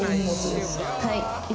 はい。